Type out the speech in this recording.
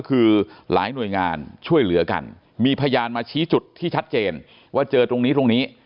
คือหลายหน่วยงานช่วยเหลือกันมีพยานมาชี้จุดที่ชัดเจนว่าเจอตรงนี้ตรงนี้